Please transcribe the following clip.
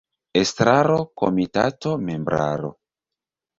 Estraro – Komitato – Membraro.